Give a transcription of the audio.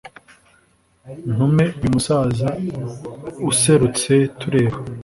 ntume uyu musaza userutse tureba